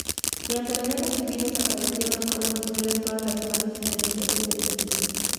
Durante la Guerra Civil, desaparecieron o fueron destruidas todas las imágenes religiosas del edificio.